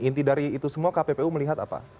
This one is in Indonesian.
inti dari itu semua kppu melihat apa